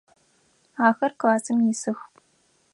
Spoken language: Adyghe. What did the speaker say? Ахэр классым исых.